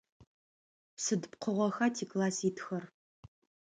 Сыд пкъыгъоха тикласс итхэр?